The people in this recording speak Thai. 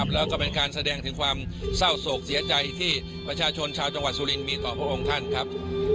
แล้วก็เป็นการแสดงถึงความเศร้าโศกเสียใจที่ประชาชนชาวจังหวัดสุรินมีต่อพระองค์ท่านครับ